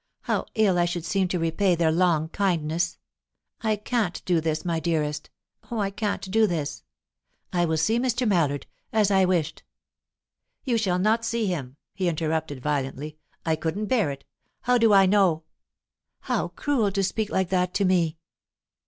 "How ill I should seem to repay their long kindness! I can't do this, my dearest; oh, I can't do this! I will see Mr. Mallard, as I wished " "You shall not see him!" he interrupted violently. "I couldn't bear it. How do I know " "How cruel to speak like that to me!"